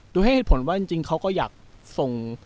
โดยให้เหตุผลว่าจริงเขาก็อยากส่ง